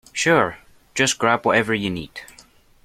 Sure, just grab whatever you need.